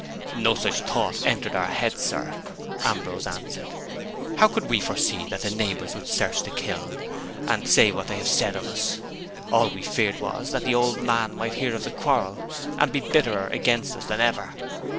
"No such thought entered our heads, sir," Ambrose answered. "How could we foresee that the neighbors would search the kiln, and say what they have said of us? All we feared was, that the old man might hear of the quarrel, and be bitterer against us than ever.